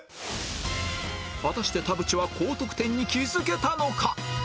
果たして田渕は高得点に気づけたのか？